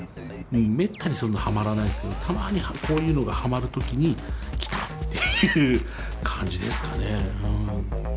めったにそんなハマらないですけどたまにこういうのがハマる時に「きた！」っていう感じですかねうん。